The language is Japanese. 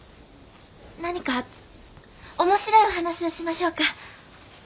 何か面白いお話をしましょうか。